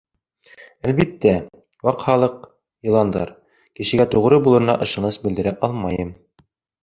— Әлбиттә, Ваҡ Халыҡ — йыландар — кешегә тоғро булырына ышаныс белдерә алмайым.